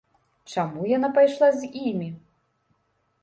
Чаму яна пайшла з імі?